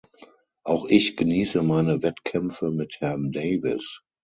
Auch ich genieße meine Wettkämpfe mit Herrn Davies.